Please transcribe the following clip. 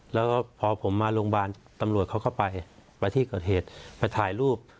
แล้วก็พอผมมาโรงพยาบาลตำรวจเขาก็ไปไปที่เกิดเหตุไปถ่ายรูป